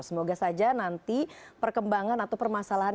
semoga saja nanti perkembangan atau permasalahan